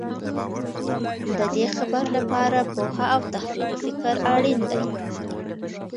د دې خبر لپاره پوهه او تحلیلي فکر اړین دی.